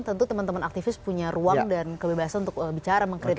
tentu teman teman aktivis punya ruang